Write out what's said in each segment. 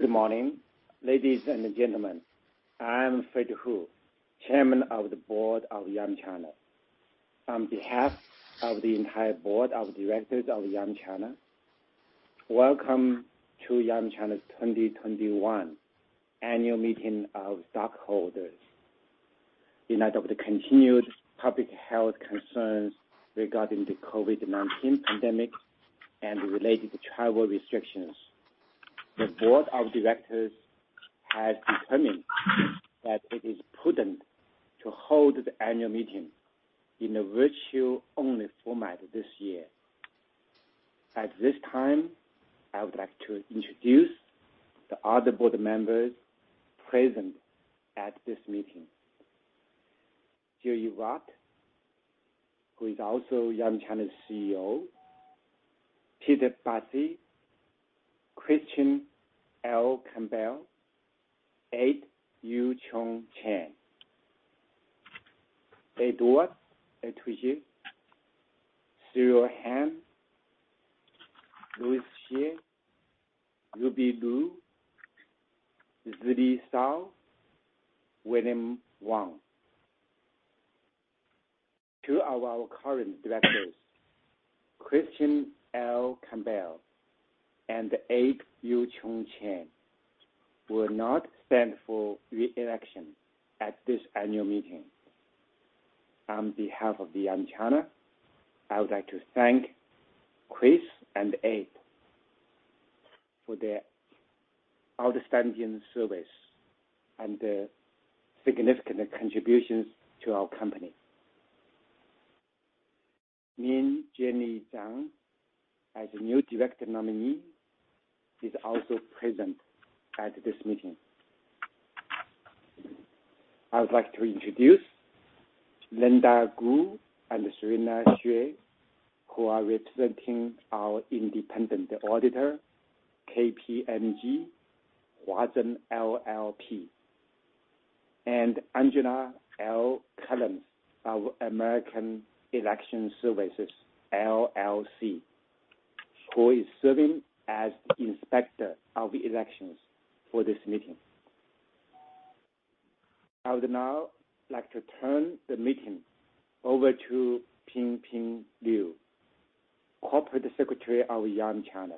Good morning, ladies and gentlemen. I'm Fred Hu, Chairman of the Board of Yum China. On behalf of the entire board of directors of Yum China, welcome to Yum China's 2021 annual meeting of stockholders. In light of the continued public health concerns regarding the COVID-19 pandemic and related travel restrictions, the board of directors has determined that it is prudent to hold the annual meeting in a virtual-only format this year. At this time, I would like to introduce the other board members present at this meeting. Joey Wat, who is also Yum China's CEO, Peter Bassi, Christian L. Campbell, Ed Chan Yiu-Cheong, Edouard Ettedgui, Cyril Han, Louis Hsieh, Ruby Lu, Zili Shao, William Wang. Two of our current directors, Christian L. Campbell and Ed Chan Yiu-Cheong, will not stand for re-election at this annual meeting. On behalf of Yum China, I would like to thank Chris and Ed for their outstanding service and significant contributions to our company. Min (Jenny) Zhang, as a new director nominee, is also present at this meeting. I would like to introduce Linda Gu and Serena Xue, who are representing our independent auditor, KPMG Huazhen LLP, and Angela L. Collins of American Election Services, LLC, who is serving as Inspector of Elections for this meeting. I would now like to turn the meeting over to Pingping Liu, Corporate Secretary of Yum China,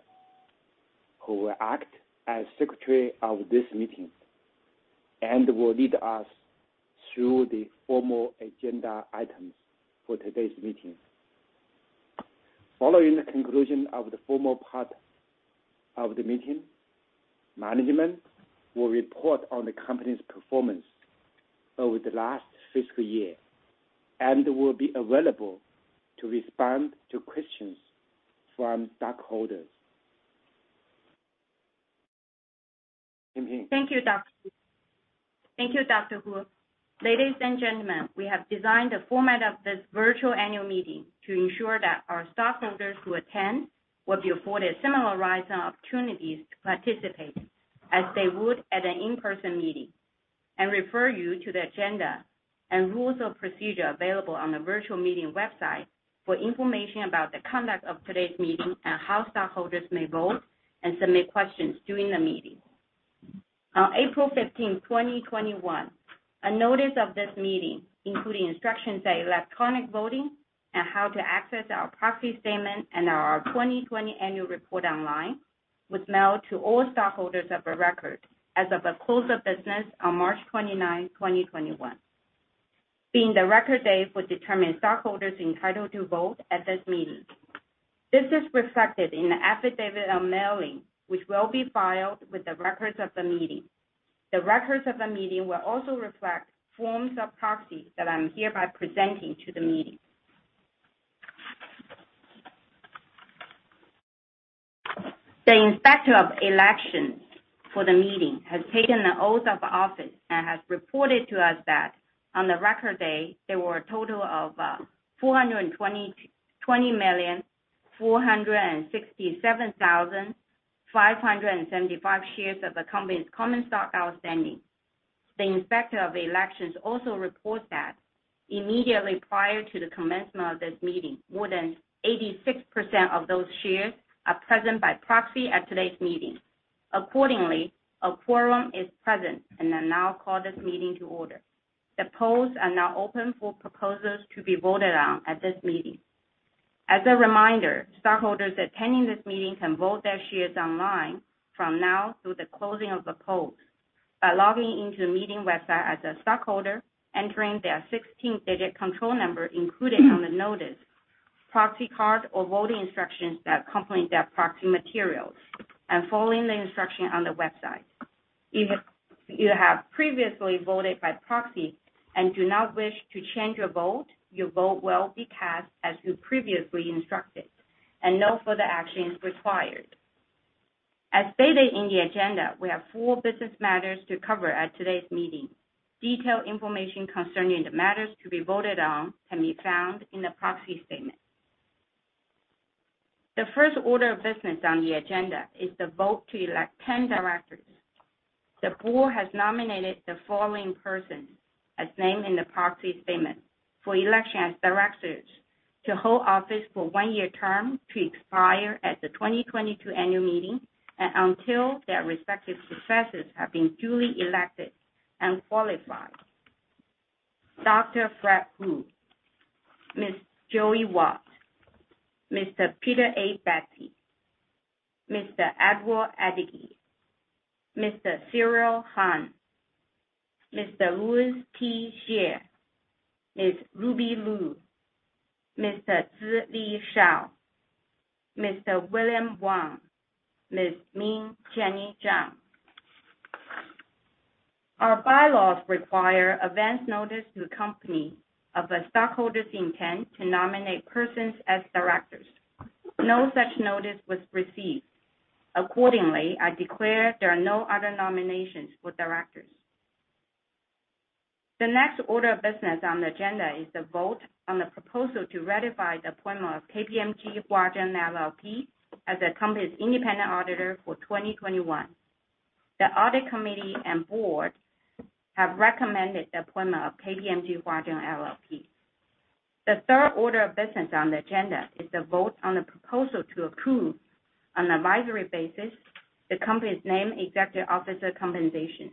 who will act as Secretary of this meeting and will lead us through the formal agenda items for today's meeting. Following the conclusion of the formal part of the meeting, management will report on the company's performance over the last fiscal year and will be available to respond to questions from stockholders. Pingping? Thank you, Dr. Hu. Ladies and gentlemen, we have designed the format of this virtual annual meeting to ensure that our stockholders who attend will be afforded similar rights and opportunities to participate as they would at an in-person meeting. I refer you to the agenda and rules of procedure available on the virtual meeting website for information about the conduct of today's meeting and how stockholders may vote and submit questions during the meeting. On April 15th, 2021, a notice of this meeting, including instructions on electronic voting and how to access our proxy statement and our 2020 annual report online, was mailed to all stockholders of record as of the close of business on March 29, 2021, being the record date for determining stockholders entitled to vote at this meeting. This is reflected in the affidavit of mailing, which will be filed with the records of the meeting. The records of the meeting will also reflect forms of proxy that I'm hereby presenting to the meeting. The Inspector of Elections for the meeting has taken an oath of office and has reported to us that on the record date, there were a total of 20,467,575 shares of the company's common stock outstanding. The Inspector of Elections also reports that immediately prior to the commencement of this meeting, more than 86% of those shares are present by proxy at today's meeting. A quorum is present, and I now call this meeting to order. The polls are now open for proposals to be voted on at this meeting. As a reminder, stockholders attending this meeting can vote their shares online from now through the closing of the polls by logging into the meeting website as a stockholder, entering their 16-digit control number included on the notice, proxy card, or voting instructions that accompany their proxy materials, and following the instructions on the website. If you have previously voted by proxy and do not wish to change your vote, your vote will be cast as you previously instructed, and no further action is required. As stated in the agenda, we have four business matters to cover at today's meeting. Detailed information concerning the matters to be voted on can be found in the proxy statement. The first order of business on the agenda is the vote to elect 10 directors. The board has nominated the following persons, as named in the proxy statement, for election as directors to hold office for a one-year term to expire at the 2022 annual meeting and until their respective successors have been duly elected and qualified. Dr. Fred Hu, Ms. Joey Wat, Mr. Peter A. Bassi, Mr. Edouard Ettedgui, Mr. Cyril Han, Mr. Louis T. Hsieh, Ms. Ruby Lu, Mr. Zili Shao, Mr. William Wang, Ms. Min (Jenny) Zhang. Our bylaws require advance notice to the company of a stockholder's intent to nominate persons as directors. No such notice was received. Accordingly, I declare there are no other nominations for directors. The next order of business on the agenda is the vote on the proposal to ratify the appointment of KPMG Huazhen LLP as the company's independent auditor for 2021. The audit committee and board have recommended the appointment of KPMG Huazhen LLP. The third order of business on the agenda is the vote on the proposal to approve, on an advisory basis, the company's named executive officer compensation.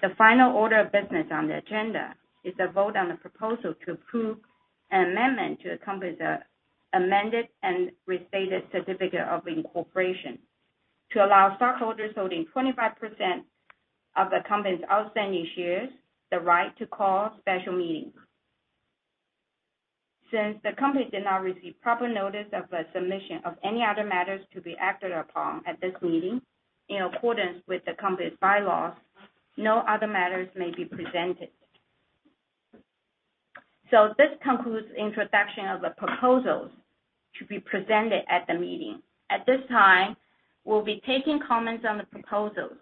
The final order of business on the agenda is the vote on the proposal to approve an amendment to the company's amended and restated certificate of incorporation to allow stockholders holding 25% of the company's outstanding shares the right to call special meetings. Since the company did not receive proper notice of the submission of any other matters to be acted upon at this meeting, in accordance with the company's bylaws, no other matters may be presented. This concludes the introduction of the proposals to be presented at the meeting. At this time, we'll be taking comments on the proposals.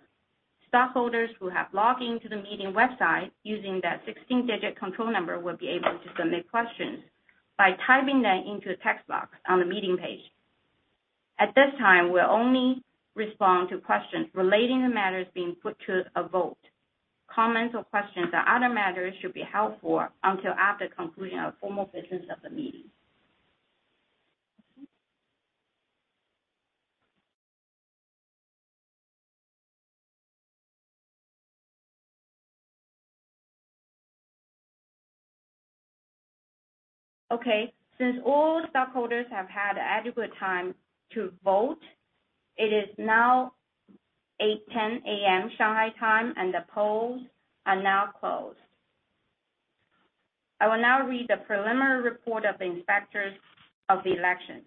Stockholders who have logged into the meeting website using their 16-digit control number will be able to submit questions by typing them into the text box on the meeting page. At this time, we'll only respond to questions relating to matters being put to a vote. Comments or questions on other matters should be held for until after concluding our formal business of the meeting. Okay. Since all stockholders have had adequate time to vote, it is now 8:10 A.M. Shanghai time, and the polls are now closed. I will now read the preliminary report of the inspectors of the election.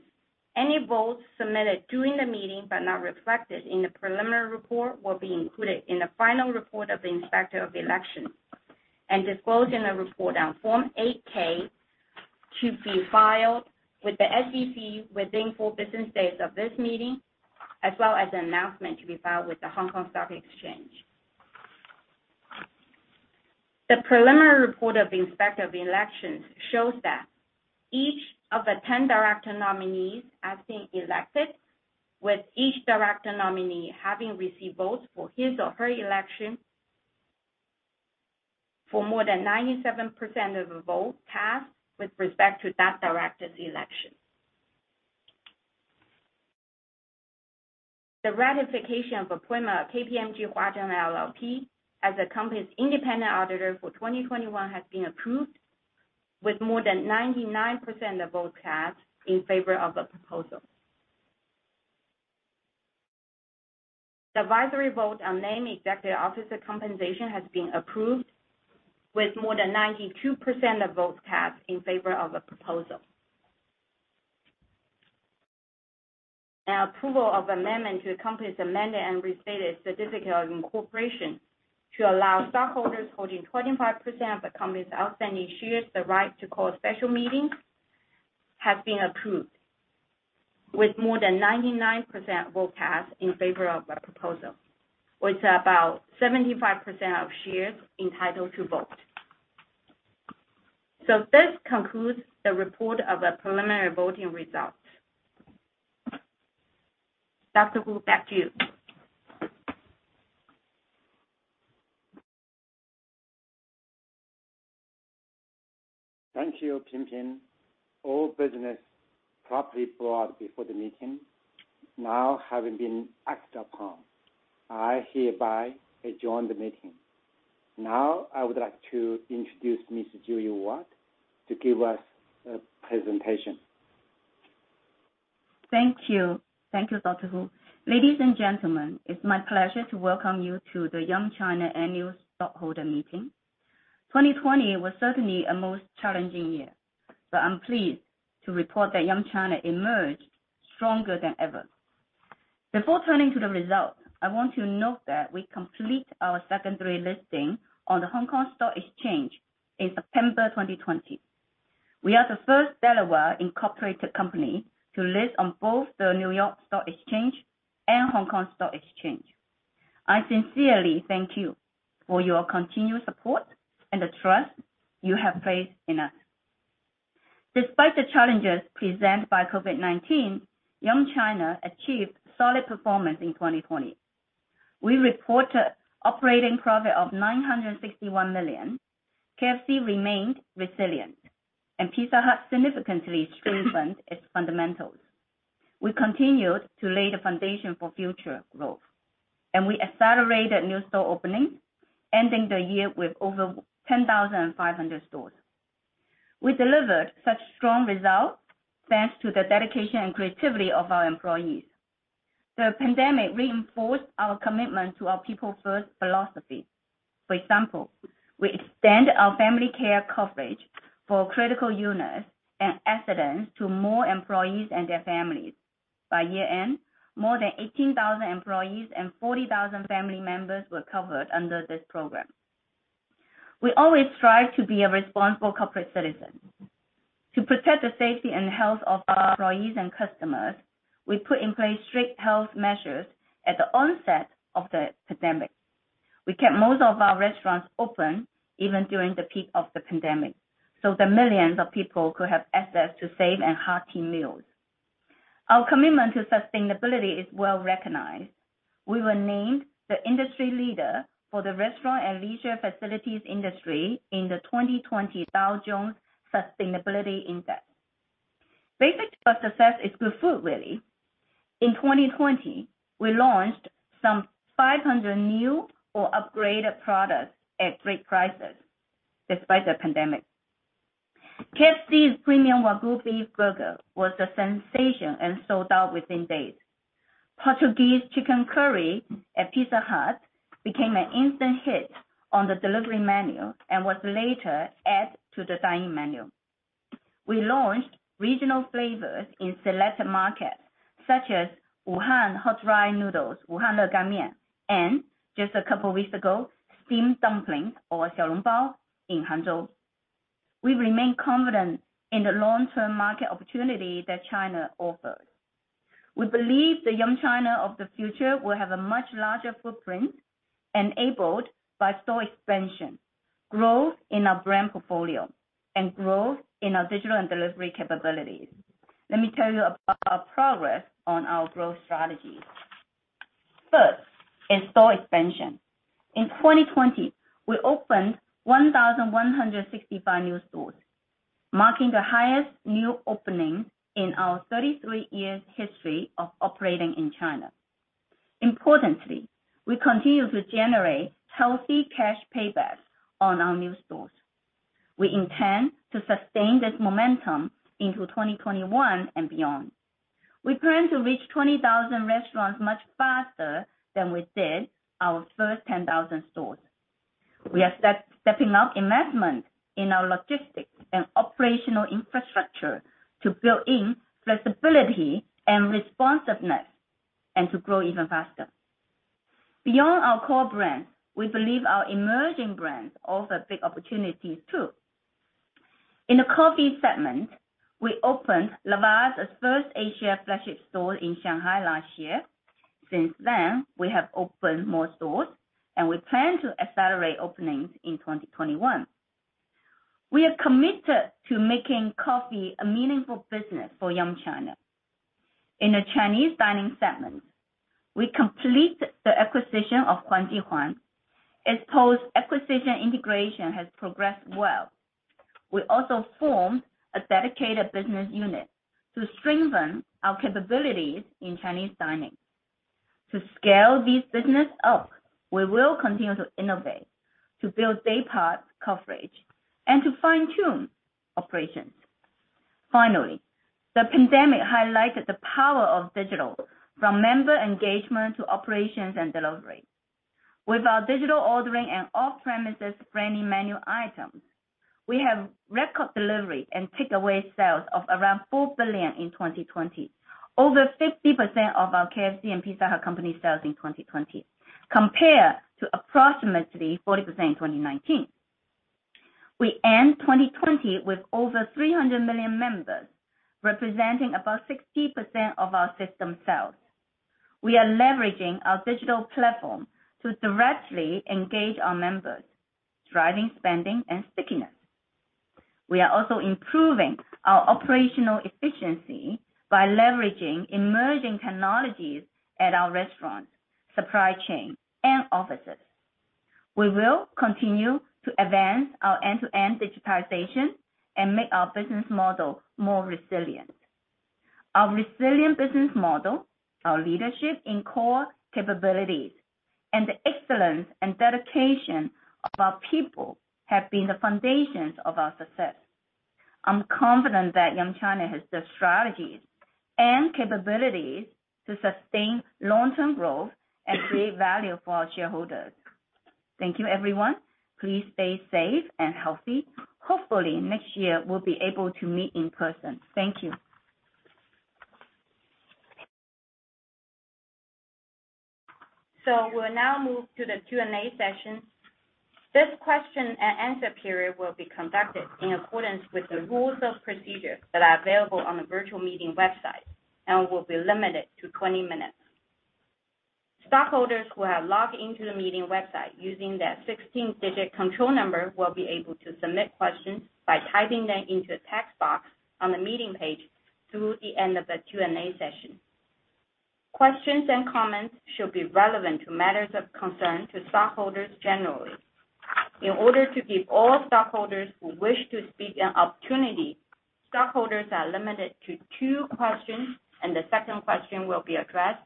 Any votes submitted during the meeting but not reflected in the preliminary report will be included in the final report of the inspector of the election and disclosed in a report on Form 8-K to be filed with the SEC within four business days of this meeting, as well as an announcement to be filed with the Hong Kong Stock Exchange. The preliminary report of the inspector of the election shows that each of the 10 director nominees has been elected, with each director nominee having received votes for his or her election for more than 97% of the votes cast with respect to that director's election. The ratification for appointment of KPMG Huazhen LLP as the company's independent auditor for 2021 has been approved with more than 99% of votes cast in favor of the proposal. The advisory vote on named executive officer compensation has been approved with more than 92% of votes cast in favor of the proposal. The approval of amendment to the company's amended and restated certificate of incorporation to allow stockholders holding 25% of the company's outstanding shares the right to call special meetings has been approved with more than 99% votes cast in favor of the proposal, which is about 75% of shares entitled to vote. This concludes the report of the preliminary voting results. Dr. Hu, back to you. Thank you, Pingping. All business properly brought before the meeting is now having been acted upon. I hereby adjourn the meeting. Now I would like to introduce Ms. Joey Wat to give us a presentation. Thank you, Dr. Hu. Ladies and gentlemen, it's my pleasure to welcome you to the Yum China annual stockholder meeting. 2020 was certainly a most challenging year, but I'm pleased to report that Yum China emerged stronger than ever. Before turning to the results, I want to note that we completed our secondary listing on the Hong Kong Stock Exchange in September 2020. We are the first Delaware-incorporated company to list on both the New York Stock Exchange and Hong Kong Stock Exchange. I sincerely thank you for your continued support and the trust you have placed in us. Despite the challenges presented by COVID-19, Yum China achieved solid performance in 2020. We report an operating profit of $961 million. KFC remained resilient, and Pizza Hut significantly strengthened its fundamentals. We continued to lay the foundation for future growth, and we accelerated new store openings, ending the year with over 10,500 stores. We delivered such strong results, thanks to the dedication and creativity of our employees. The pandemic reinforced our commitment to our people-first philosophy. For example, we extend our family care coverage for critical illness and accidents to more employees and their families. By year-end, more than 18,000 employees and 40,000 family members were covered under this program. We always strive to be a responsible corporate citizen. To protect the safety and health of our employees and customers, we put in place strict health measures at the onset of the pandemic. We kept most of our restaurants open even during the peak of the pandemic, so the millions of people could have access to safe and hearty meals. Our commitment to sustainability is well recognized. We were named the industry leader for the restaurant and leisure facilities industry in the 2020 Dow Jones Sustainability Index. Basic to our success is good food, really. In 2020, we launched some 500 new or upgraded products at great prices despite the pandemic. KFC's premium Wagyu beef burger was a sensation and sold out within days. Portuguese chicken curry at Pizza Hut became an instant hit on the delivery menu and was later added to the dine-in menu. We launched regional flavors in selected markets, such as Wuhan hot dry noodles, Wuhan re gan mian, and just a couple of weeks ago, steamed dumplings or xiao long bao in Hangzhou. We remain confident in the long-term market opportunity that China offers. We believe the Yum China of the future will have a much larger footprint enabled by store expansion, growth in our brand portfolio, and growth in our digital and delivery capabilities. Let me tell you about our progress on our growth strategies. First, in-store expansion. In 2020, we opened 1,165 new stores, marking the highest new opening in our 33-year history of operating in China. Importantly, we continue to generate healthy cash paybacks on our new stores. We intend to sustain this momentum into 2021 and beyond. We plan to reach 20,000 restaurants much faster than we did our first 10,000 stores. We are stepping up investment in our logistics and operational infrastructure to build in flexibility and responsiveness, and to grow even faster. Beyond our core brands, we believe our emerging brands offer big opportunities, too. In the coffee segment, we opened Lavazza's first Asia flagship store in Shanghai last year. Since then, we have opened more stores, and we plan to accelerate openings in 2021. We are committed to making coffee a meaningful business for Yum China. In the Chinese dining segment, we complete the acquisition of Huang Ji Huang. Its post-acquisition integration has progressed well. We also formed a dedicated business unit to strengthen our capabilities in Chinese dining. To scale this business up, we will continue to innovate, to build daypart coverage, and to fine-tune operations. Finally, the pandemic highlighted the power of digital, from member engagement to operations and delivery. With our digital ordering and off-premises friendly menu items, we have record delivery and takeaway sales of around 4 billion in 2020. Over 50% of our KFC and Pizza Hut company sales in 2020, compared to approximately 40% in 2019. We end 2020 with over 300 million members, representing about 60% of our system sales. We are leveraging our digital platform to directly engage our members, driving spending and stickiness. We are also improving our operational efficiency by leveraging emerging technologies at our restaurants, supply chain, and offices. We will continue to advance our end-to-end digitization and make our business model more resilient. Our resilient business model, our leadership in core capabilities, and the excellence and dedication of our people have been the foundations of our success. I'm confident that Yum China has the strategies and capabilities to sustain long-term growth and create value for our shareholders. Thank you, everyone. Please stay safe and healthy. Hopefully, next year we'll be able to meet in person. Thank you. We'll now move to the Q&A session. This question-and-answer period will be conducted in accordance with the rules of procedure that are available on the virtual meeting website and will be limited to 20 minutes. Stockholders who have logged into the meeting website using their 16-digit control number will be able to submit questions by typing them into the text box on the meeting page through the end of the Q&A session. Questions and comments should be relevant to matters of concern to stockholders generally. In order to give all stockholders who wish to speak an opportunity, stockholders are limited to two questions, and the second question will be addressed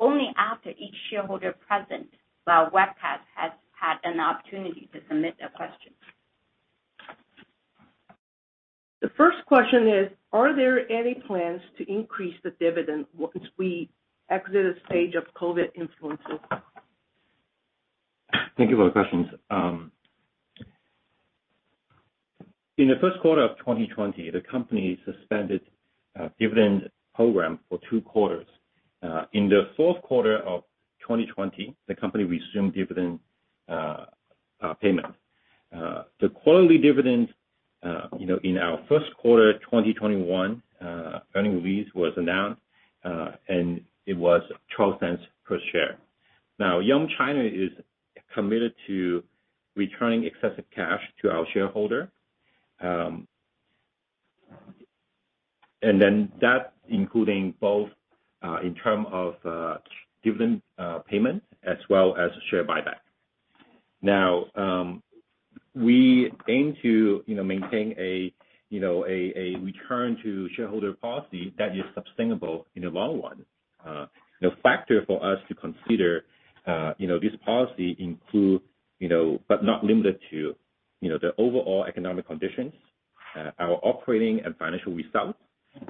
only after each shareholder present by webcast has had an opportunity to submit their questions. The first question is: Are there any plans to increase the dividend once we exit the stage of COVID influences? Thank you for the questions. In the first quarter of 2020, the company suspended a dividend program for two quarters. In the fourth quarter of 2020, the company resumed dividend payment. The quarterly dividend in our first quarter 2021 earnings release was announced, and it was 0.12 per share. Yum China is committed to returning excess cash to our shareholder. That's including both in term of dividend payment as well as share buyback. We aim to maintain a return-to-shareholder policy that is sustainable in the long run. The factor for us to consider this policy includes, but not limited to, the overall economic conditions, our operating and financial results,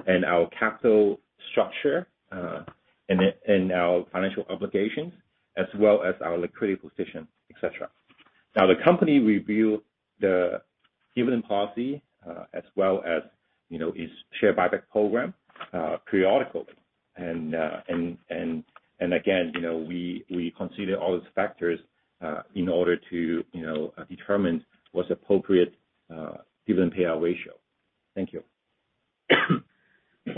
and our capital structure, and our financial obligations, as well as our liquidity position, et cetera. The company review the dividend policy as well as its share buyback program periodically. Again, we consider all the factors in order to determine what's appropriate dividend payout ratio. Thank you.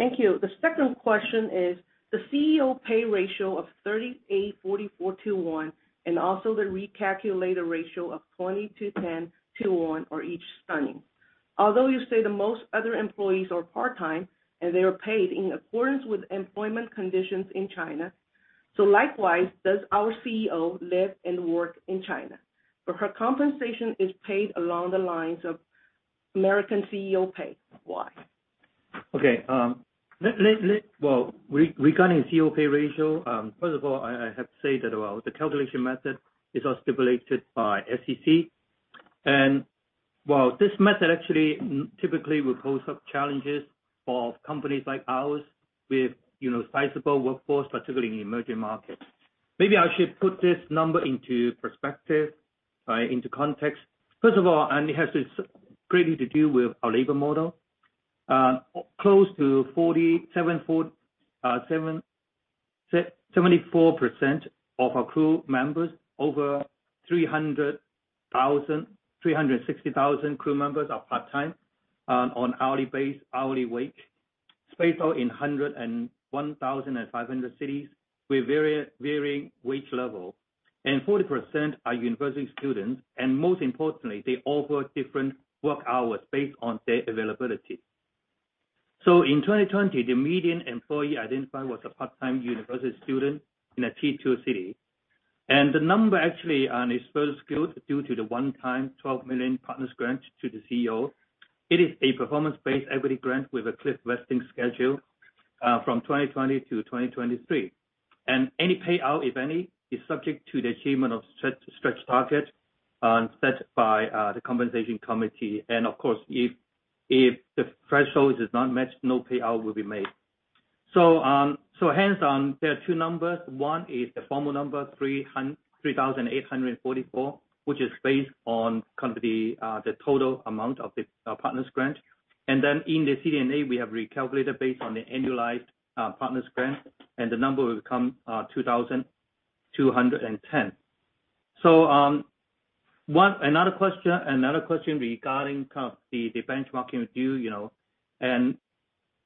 Thank you. The second question is the CEO pay ratio of 3,844 to one, also the recalculated ratio of 2,210 to one for each earning. Although you say that most other employees are part-time, and they are paid in accordance with employment conditions in China. Likewise, does our CEO live and work in China or her compensation is paid along the lines of American CEO pay? Why? Okay. Regarding CEO pay ratio, first of all, I have to say that the calculation method is stipulated by SEC. While this method actually typically will pose some challenges for companies like ours with sizable workforce, particularly in emerging markets. Maybe I should put this number into perspective, into context. First of all, it has greatly to do with our labor model. Close to 74% of our crew members, over 360,000 crew members are part-time on hourly wage, spaced out in 1,500 cities with varying wage level. 40% are university students, and most importantly, they offer different work hours based on their availability. In 2020, the median employee identified was a part-time university student in a Tier 2 city. The number actually on his first due to the one-time $12 million performance grant to the CEO. It is a performance-based equity grant with a cliff vesting schedule from 2020 to 2023. Any payout, if any, is subject to the achievement of stretch target set by the compensation committee. Of course, if the threshold is not met, no payout will be made. Hence, there are two numbers. One is the formal number, 3,844, which is based on the total amount of the performance grant. Then, in the Q&A, we have recalculated based on the annualized performance grant, and the number will come CNY 2,210. Another question regarding the benchmarking review.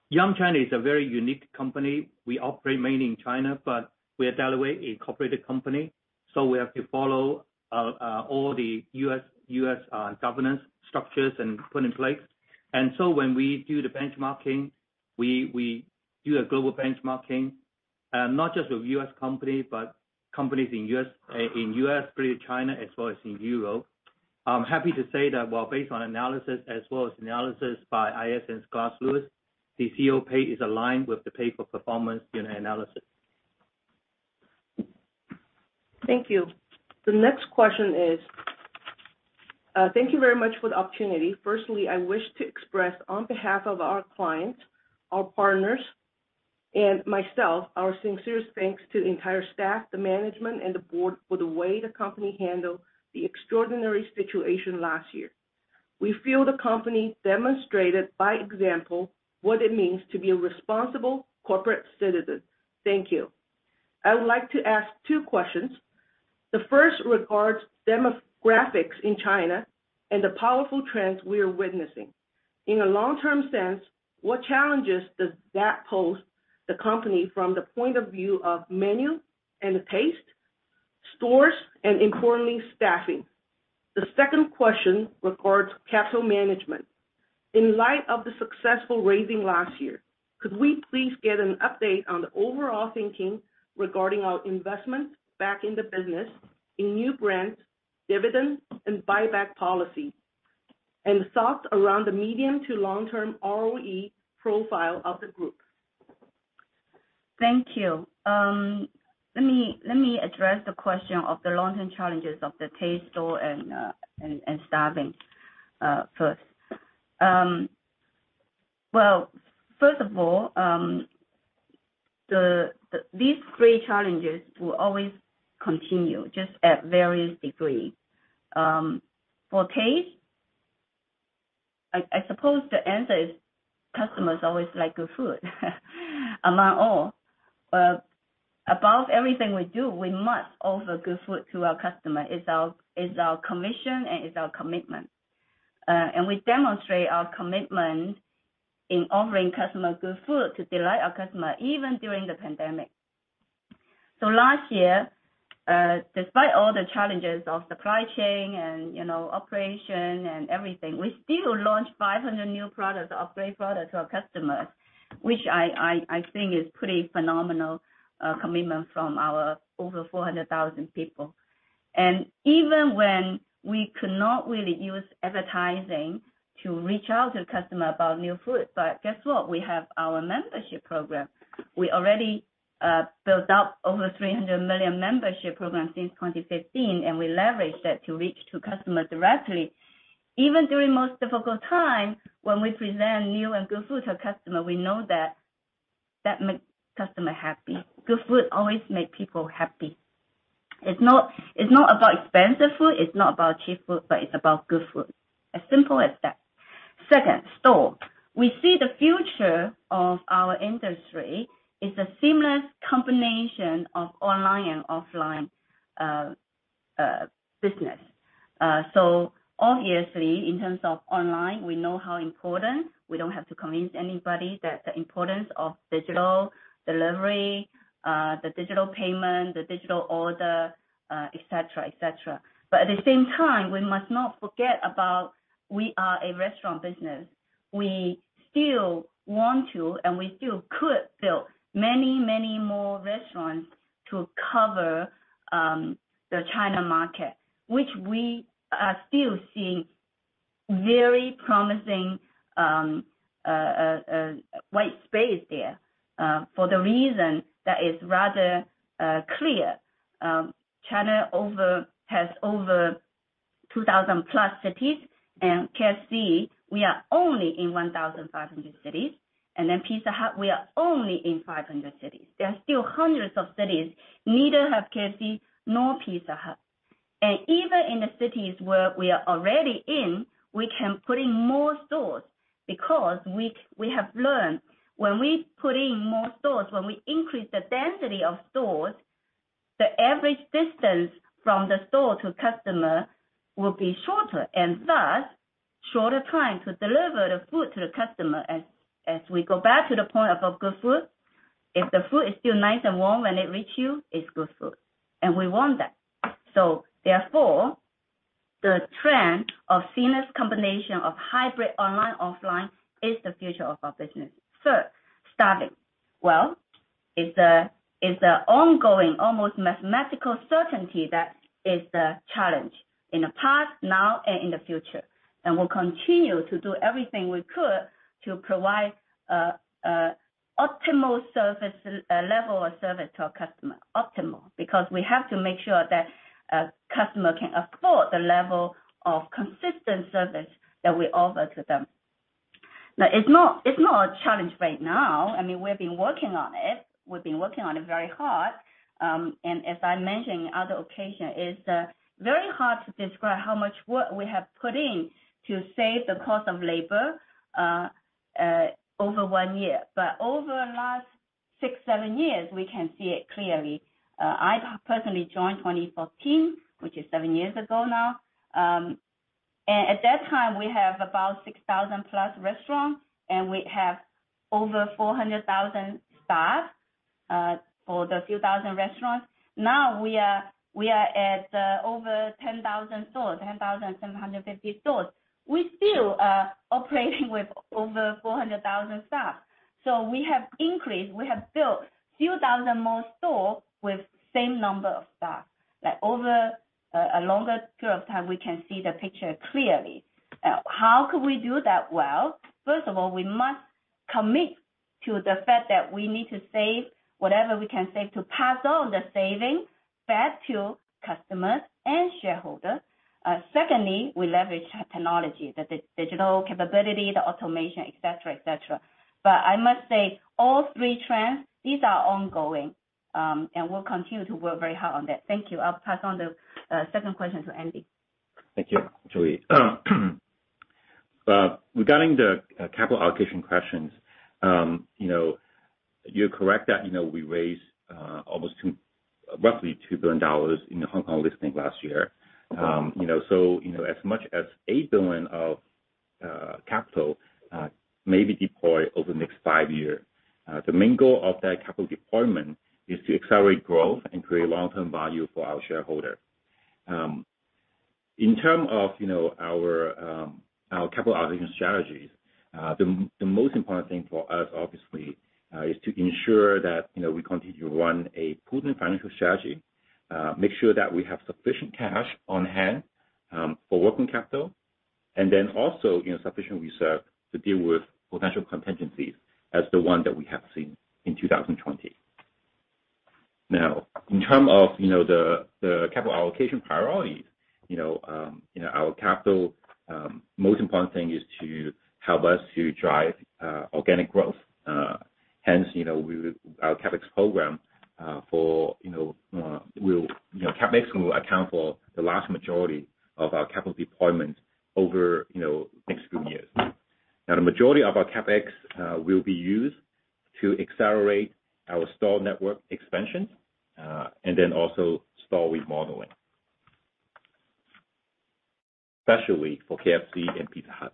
Yum China is a very unique company. We operate mainly in China, but we're Delaware, a corporate company, so we have to follow all the U.S. governance structures and the like. When we do the benchmarking, we do a global benchmarking, not just of U.S. company, but companies in U.S., China, as well as in Europe. I'm happy to say that based on analysis as well as analysis by ISS and Glass Lewis, the CEO pay is aligned with the pay for performance in analysis. Thank you. The next question is: Thank you very much for the opportunity. Firstly, I wish to express on behalf of our clients, our partners, and myself, our sincerest thanks to the entire staff, the management, and the board for the way the company handled the extraordinary situation last year. We feel the company demonstrated by example what it means to be a responsible corporate citizen. Thank you. I would like to ask two questions. The first regards demographics in China and the powerful trends we are witnessing. In a long-term sense, what challenges does that pose the company from the point of view of menu and taste, stores, and importantly, staffing? The second question regards capital management. In light of the successful raising last year, could we please get an update on the overall thinking regarding our investments back in the business in new brands, dividends, and buyback policy, and thoughts around the medium to long-term ROE profile of the group? Thank you. Let me address the question of the long-term challenges of the taste, store, and staffing first. First of all, these three challenges will always continue, just at various degrees. For taste, I suppose the answer is customers always like good food among all. Above everything we do, we must offer good food to our customer. It's our mission, and it's our commitment. We demonstrate our commitment in offering customers good food to delight our customer, even during the pandemic. Last year, despite all the challenges of supply chain and operation and everything, we still launched 500 new products or great products to our customers, which I think is pretty phenomenal commitment from our over 400,000 people. Even when we could not really use advertising to reach out to customer about new food, but guess what? We have our membership program. We already built up over 300 million membership program since 2015. We leveraged that to reach to customers directly. Even during most difficult time, when we present new and good food to a customer, we know that makes customer happy. Good food always make people happy. It's not about expensive food, it's not about cheap food. It's about good food. As simple as that. Second, store. We see the future of our industry is a seamless combination of online and offline business. Obviously, in terms of online, we know how important, we don't have to convince anybody that the importance of digital delivery, the digital payment, the digital order, et cetera. At the same time, we must not forget about we are a restaurant business. We still want to, and we still could build many more restaurants to cover the China market, which we are still seeing very promising white space there, for the reason that is rather clear. China has over 2,000+ cities. KFC, we are only in 1,500 cities. Pizza Hut, we are only in 500 cities. There are still hundreds of cities, neither have KFC nor Pizza Hut. Even in the cities where we are already in, we can put in more stores because we have learned when we put in more stores, when we increase the density of stores, the average distance from the store to customer will be shorter, and thus shorter time to deliver the food to the customer. We go back to the point about good food, if the food is still nice and warm when it reach you, it's good food, and we want that. Therefore, the trend of seamless combination of hybrid online, offline is the future of our business. Third, staffing. Well, it's a ongoing, almost mathematical certainty that is the challenge in the past, now, and in the future. We'll continue to do everything we could to provide optimal level of service to our customer. Optimal. We have to make sure that a customer can afford the level of consistent service that we offer to them. Now, it's not a challenge right now. We've been working on it. We've been working on it very hard. As I mentioned in other occasion, it's very hard to describe how much work we have put in to save the cost of labor over one year. Over last six, seven years, we can see it clearly. I personally joined 2014, which is seven years ago now. At that time, we have about 6,000+ restaurants, and we have over 400,000 staff for the few thousand restaurants. Now we are at over 10,000 stores, 10,750 stores. We still are operating with over 400,000 staff. We have increased, we have built a few thousand more stores with same number of staff. That over a longer period of time, we can see the picture clearly. How could we do that? Well, first of all, we must commit to the fact that we need to save whatever we can save to pass on the saving back to customers and shareholders. Secondly, we leverage technology, the digital capability, the automation, et cetera. I must say all three trends, these are ongoing, and we'll continue to work very hard on that. Thank you. I'll pass on the second question to Andy. Thank you, Joey. Regarding the capital allocation questions, you're correct that we raised roughly $2 billion in the Hong Kong listing last year. As much as 8 billion of capital may be deployed over the next five years. The main goal of that capital deployment is to accelerate growth and create long-term value for our shareholder. In terms of our capital allocation strategies, the most important thing for us, obviously, is to ensure that we continue to run a prudent financial strategy, make sure that we have sufficient cash on hand for working capital, and then also sufficient reserve to deal with potential contingencies as the one that we have seen in 2020. In terms of the capital allocation priorities, our capital, most important thing is to help us to drive organic growth. Our CapEx program will account for the large majority of our capital deployment over next few years. The majority of our CapEx will be used to accelerate our store network expansion, and then also store remodeling. Especially for KFC and Pizza Hut.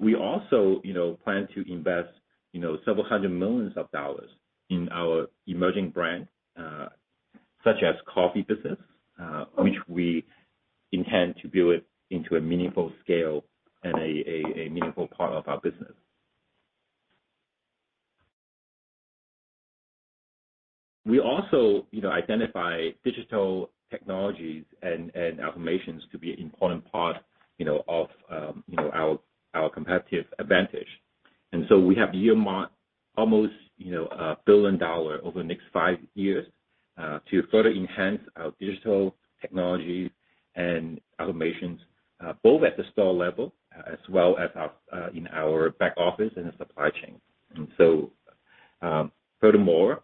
We also plan to invest several hundred million CNY in our emerging brand, such as coffee business, which we intend to build into a meaningful scale and a meaningful part of our business. We also identify digital technologies and automations to be an important part of our competitive advantage. We have earmarked almost CNY 1 billion over the next five years to further enhance our digital technologies and automations, both at the store level as well as in our back office and the supply chain. Furthermore,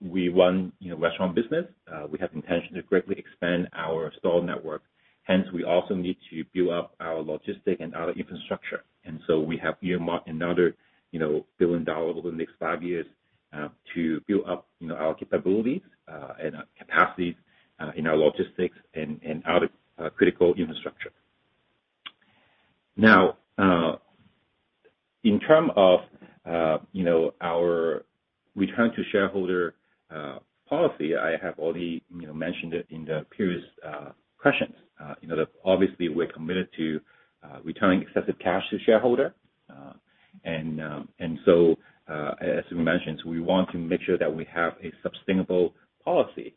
we run a restaurant business. We have intention to greatly expand our store network, hence we also need to build up our logistic and our infrastructure. We have earmarked another CNY 1 billion over the next five years to build up our capabilities and our capacities in our logistics and our critical infrastructure. Now, in term of our return to shareholder policy, I have already mentioned it in the previous questions, that obviously we're committed to returning excessive cash to shareholder. As we mentioned, we want to make sure that we have a sustainable policy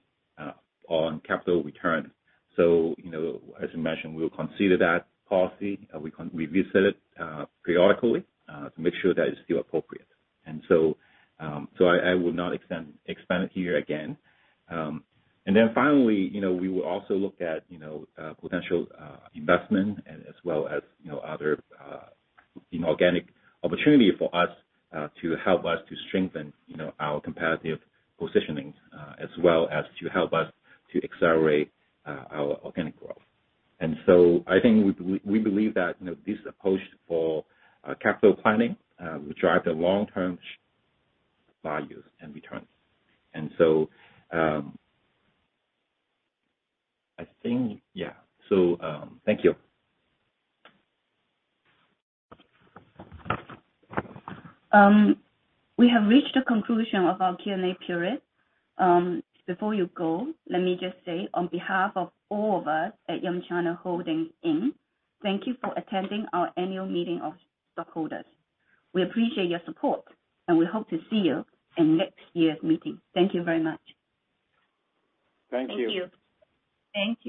on capital return. As I mentioned, we'll consider that policy. We visit it periodically to make sure that it's still appropriate. I will not expand it here again. Finally, we will also look at potential investment and as well as other inorganic opportunity for us, to help us to strengthen our competitive positioning, as well as to help us to accelerate our organic growth. I think we believe that this approach for capital planning will drive the long-term value and returns. I think, yeah. Thank you. We have reached the conclusion of our Q&A period. Before you go, let me just say on behalf of all of us at Yum China Holdings, Inc., thank you for attending our annual meeting of stockholders. We appreciate your support, and we hope to see you in next year's meeting. Thank you very much. Thank you. Thank you. Thank you.